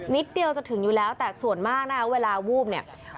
นิดเดียวจะถึงอยู่แล้วแต่ส่วนมากนะคะเวลาวูบเนี่ย